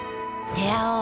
出会おう。